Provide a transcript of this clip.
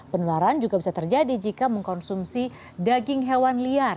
penularan juga bisa terjadi jika mengkonsumsi daging hewan liar